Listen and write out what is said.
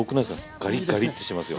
ガリガリってしてますよ。